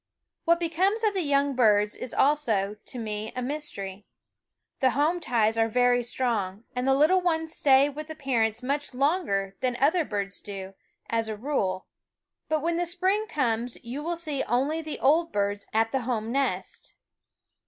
What becomes of the young birds is also, to me, a mystery. The home ties are very strong, and the little ones stay with the parents much longer than other birds do, as a rule ; but when the spring comes you will see only the old birds at the home nest.